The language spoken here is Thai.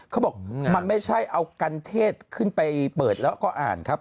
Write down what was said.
เขาบอกมันไม่ใช่เอากันเทศขึ้นไปเปิดแล้วก็อ่านครับ